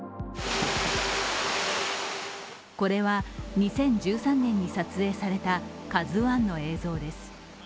これは２０１３年に撮影された「ＫＡＺＵⅠ」の映像です。